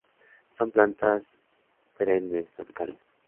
Son plantas perennes tropicales.